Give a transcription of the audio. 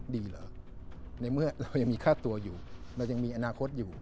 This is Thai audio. ดีเหรอในเมื่อเรายังมีค่าตัวอยู่เรายังมีอนาคตอยู่